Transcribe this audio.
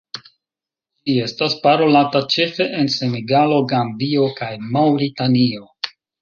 Ĝi estas parolata ĉefe en Senegalo, Gambio kaj Maŭritanio.